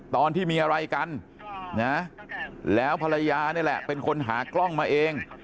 ตอนที่มีอะไรกันนะแล้วภรรยานี่แหละเป็นคนหากล้องมาเอง